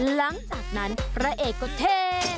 หลังจากนั้นพระเอกก็เท่